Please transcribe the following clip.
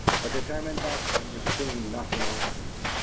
A determined batsman would soon knock him off!